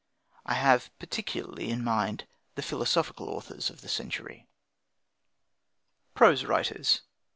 I have particularly in mind the philosophical authors of the century. PROSE WRITERS. £ s.